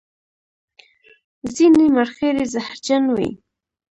ځینې مرخیړي زهرجن وي